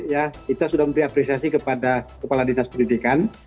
ya kita sudah memberi apresiasi kepada kepala dinas pendidikan